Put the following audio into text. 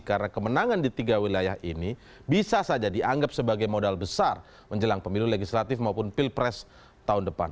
karena kemenangan di tiga wilayah ini bisa saja dianggap sebagai modal besar menjelang pemilu legislatif maupun pilpres tahun depan